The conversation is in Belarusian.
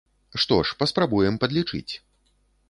Што ж, паспрабуем падлічыць.